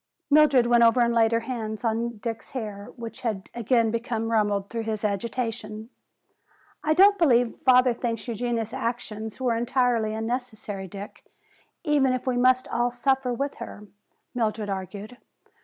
Mildred went over and laid her hands on Dick's hair, which had again become rumpled through his agitation. "I don't believe father thinks Eugenia's action was entirely unnecessary, Dick, even if we must all suffer with her," Mildred argued.